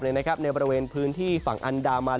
ในบริเวณพื้นที่ฝั่งอันดามัน